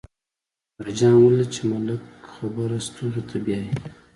اکبر جان ولیدل چې ملک خبره ستوغې ته بیايي.